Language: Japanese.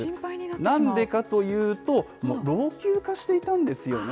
なんでかというと、老朽化していたんですよね。